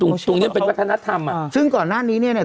ตรงตรงเนี้ยเป็นวัฒนธรรมอ่ะซึ่งก่อนหน้านี้เนี้ยเนี้ย